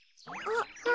あっ。